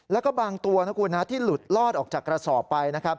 แล้วก็บางตัวที่หลุดลอดออกจากกระสอบไป